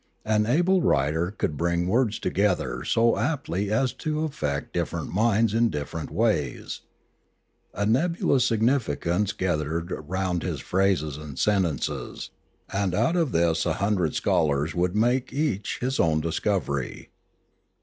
An able writer could bring words together so aptly as to affect different minds in different ways. A nebulous significance gathered round his phrases and sentences, and out of this a hundred scholars would make each his own discovery.